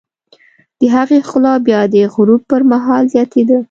د هغې ښکلا بیا د غروب پر مهال زیاتېده.